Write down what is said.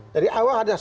dari awal ada